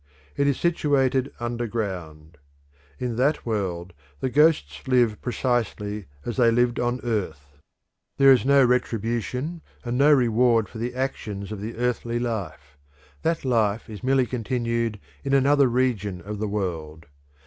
It is situated underground. In that world the ghosts live precisely as they lived on earth. There is no retribution and no reward for the actions of the earthly life; that life is merely continued in another region of the world.